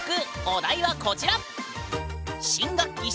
お題はこちらえ？